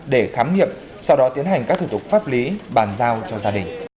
để khám nghiệm sau đó tiến hành các thủ tục pháp lý bàn giao cho gia đình